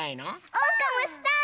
おうかもしたい！